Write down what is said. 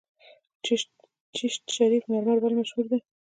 چشت شریف مرمر ولې مشهور دي؟